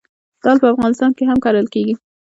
دال په افغانستان کې هم کرل کیږي.